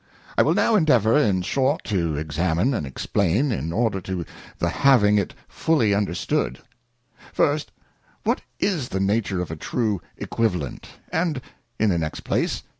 I will now endeavour in short to examine and explain, in order to the having it fuUy understood. First, What is the nature of a true Equivalent'; and In the next place.